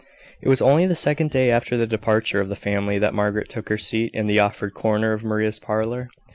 It was only the second day after the departure of the family that Margaret took her seat in the offered corner of Maria's parlour.